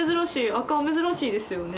赤珍しいですよね。